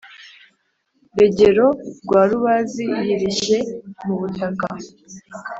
rugero rwa rubazi yirishye mu butaka.